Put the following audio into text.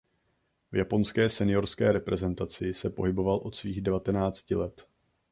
V japonské seniorské reprezentaci se pohyboval od svých devatenácti let.